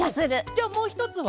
じゃあもうひとつは？